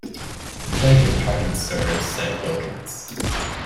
‘Beg your pardon, sir,’ said Wilkins.